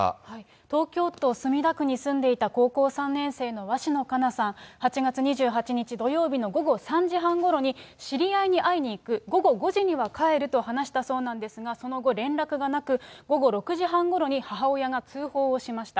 東京都墨田区に住んでいた高校３年生の鷲野花夏さん、８月２８日土曜日の午後３時半ごろに、知り合いに会いに行く、午後５時には帰ると話したそうなんですが、その後、連絡がなく、午後６時半ごろに母親が通報をしました。